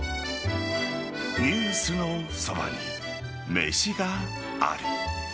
「ニュースのそばに、めしがある。」